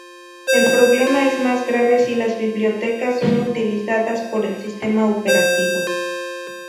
El problema es más grave si las bibliotecas son utilizadas por el sistema operativo.